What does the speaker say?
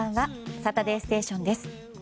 「サタデーステーション」です。